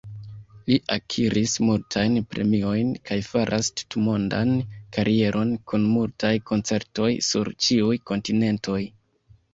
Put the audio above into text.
Li akiris multajn premiojn kaj faras tutmondan karieron kun multaj koncertoj sur ĉiuj kontinentoj.